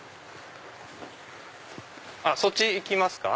そっち行きますか？